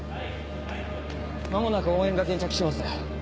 間もなく応援が現着します。